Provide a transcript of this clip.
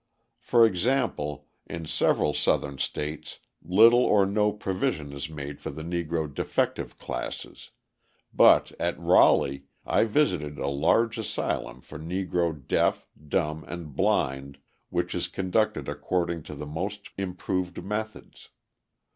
For example, in several Southern states little or no provision is made for the Negro defective classes, but at Raleigh I visited a large asylum for Negro deaf, dumb, and blind which is conducted according to the most improved methods.